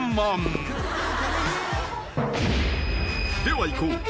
［ではいこう。